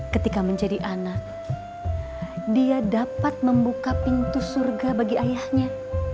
ketika menjadi anak dia dapat membuka pintu surga bagi ayahnya